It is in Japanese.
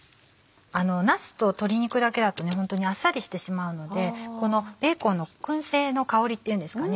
なすと鶏肉だけだとホントにあっさりしてしまうのでこのベーコンの燻製の香りっていうんですかね